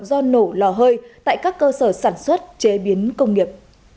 do nổ lò hơi tại các cơ sở sản xuất chế biến công nghiệp